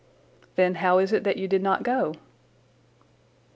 "Then how is it that you did not go?"